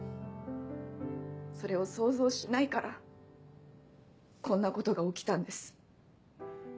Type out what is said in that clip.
それを想像しないからこんなことが起きたんです。